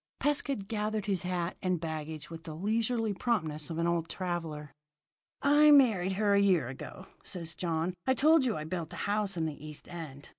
Pescud gathered his hat and baggage with the leisurely promptness of an old traveller. "I married her a year ago," said John. "I told you I built a house in the East End.